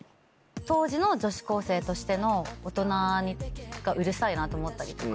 当時の女子高生としての大人がうるさいなと思ったりとか。